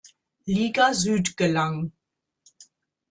Liga Süd gelang.